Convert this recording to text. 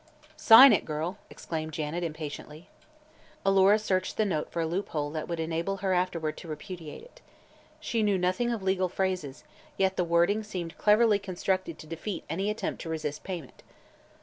"Sign it, girl!" exclaimed Janet, impatiently. Alora searched the note for a loophole that would enable her afterward to repudiate it. She knew nothing of legal phrases, yet the wording seemed cleverly constructed to defeat any attempt to resist payment.